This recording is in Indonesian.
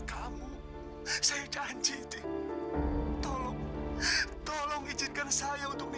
kamu bisa membantu menjaga kedua anakmu tori